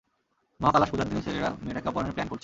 মহা কালাশ পূজার দিন ছেলেরা মেয়েটাকে অপহরণের প্ল্যান করছে।